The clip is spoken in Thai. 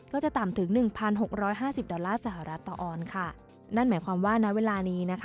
ก็จะต่ำถึง๑๖๕๐ดอลลาร์สหรัฐตออนค่ะนั่นหมายความว่าณเวลานี้นะคะ